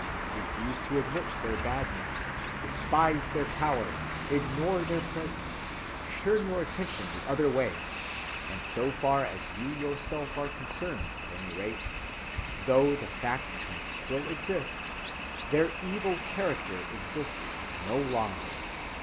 Refuse to admit their badness; despise their power; ignore their presence; turn your attention the other way; and so far as you yourself are concerned at any rate, though the facts may still exist, their evil character exists no longer.